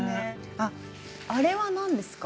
あっあれは何ですか？